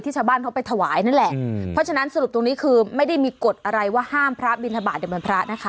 ชาวบ้านเขาไปถวายนั่นแหละเพราะฉะนั้นสรุปตรงนี้คือไม่ได้มีกฎอะไรว่าห้ามพระบินทบาทในวันพระนะคะ